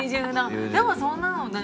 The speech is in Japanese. でもそんなのね